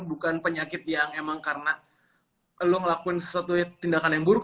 bukan penyakit yang emang karena lo ngelakuin sesuatu tindakan yang buruk